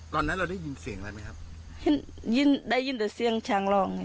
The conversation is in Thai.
ตอนนั้นเราได้ยินเสียงอะไรไหมครับยินได้ยินแต่เสียงช้างร้องไง